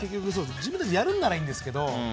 自分たちでやるならいいんですけど。